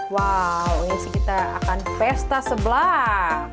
wow ini sih kita akan pesta sebelah